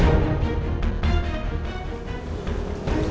kalian itu suka